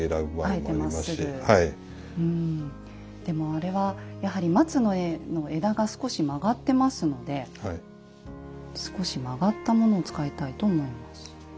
でもあれはやはり松の絵の枝が少し曲がってますので少し曲がったものを使いたいと思います。